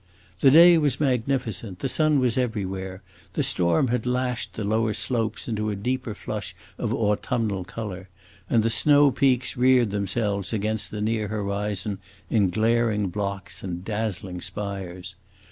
The day was magnificent; the sun was everywhere; the storm had lashed the lower slopes into a deeper flush of autumnal color, and the snow peaks reared themselves against the near horizon in glaring blocks and dazzling spires.